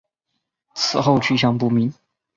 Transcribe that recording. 此后去向不明。